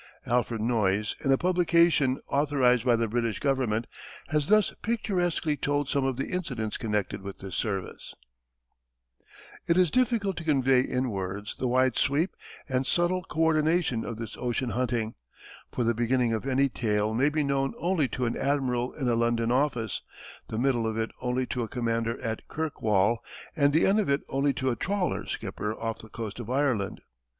Alfred Noyes in a publication authorized by the British government has thus picturesquely told some of the incidents connected with this service: It is difficult to convey in words the wide sweep and subtle co ordination of this ocean hunting; for the beginning of any tale may be known only to an admiral in a London office, the middle of it only to a commander at Kirkwall, and the end of it only to a trawler skipper off the coast of Ireland.